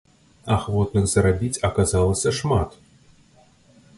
Ахвотных зарабіць аказалася шмат.